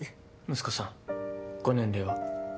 息子さんご年齢は？